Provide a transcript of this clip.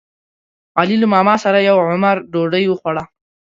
علي له ماماسره یو عمر ډوډۍ وخوړه.